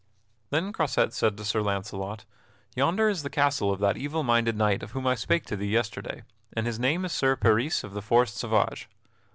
Then Croisette said to Sir Launcelot: "Yonder is the castle of that evil minded knight of whom I spake to thee yesterday, and his name is Sir Peris of the Forest Sauvage.